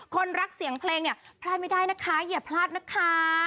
คนรักเสียงเพลงเนี่ยพลาดไม่ได้นะคะอย่าพลาดนะคะ